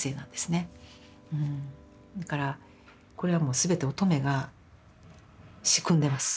だからこれはもう全て音十愛が仕組んでます。